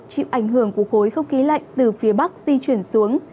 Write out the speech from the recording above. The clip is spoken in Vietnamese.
chịu ảnh hưởng của khối không khí lạnh từ phía bắc di chuyển xuống